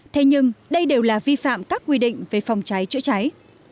thế nhưng đây đều là vi phạm các quy định về phòng cháy chữa cháy